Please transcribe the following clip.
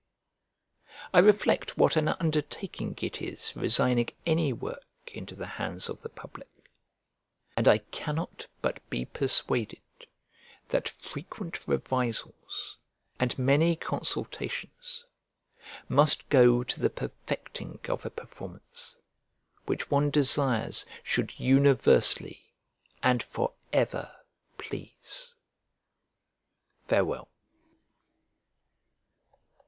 I reflect what an undertaking it is resigning any work into the hands of the public; and I cannot but be persuaded that frequent revisals, and many consultations, must go to the perfecting of a performance, which one desires should universally and forever please. Farewell.